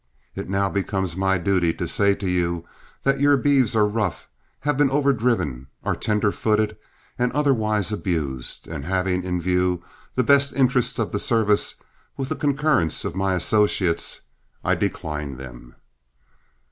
It now becomes my duty to say to you that your beeves are rough, have been over driven, are tender footed and otherwise abused, and, having in view the best interests of the service, with the concurrence of my associates, I decline them."